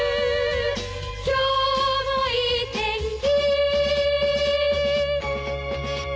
「今日もいい天気」